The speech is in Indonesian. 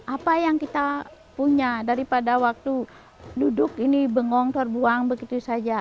apa yang kita punya daripada waktu duduk ini bengong terbuang begitu saja